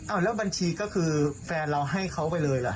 แล้วบัญชีก็คือแฟนเราให้เขาไปเลยล่ะ